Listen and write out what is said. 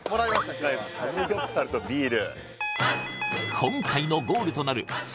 今日はサムギョプサルとビール